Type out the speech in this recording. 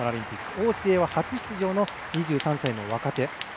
王紫瑩は初出場の２３歳の若手。